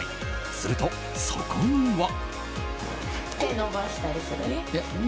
すると、そこには。